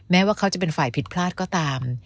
แม้ว่าเขาจะเป็นฝ่ายผิดพลาดก็ตาม